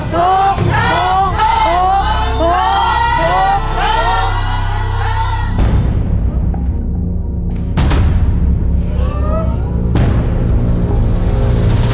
ถูก